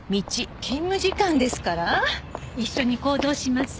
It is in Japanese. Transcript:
勤務時間ですから一緒に行動します。